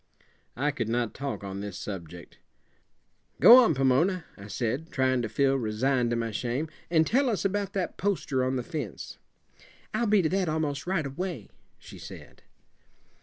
I could not talk on this subject. "Go on, Pomona," I said, trying to feel resigned to my shame, "and tell us about that poster on the fence." "I'll be to that almost right away," she said.